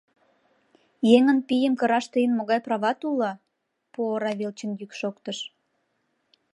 — Еҥын пийым кыраш тыйын могай прават уло?! — пу ора велчын йӱк шоктыш.